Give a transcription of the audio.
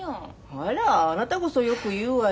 あらあなたこそよく言うわよ。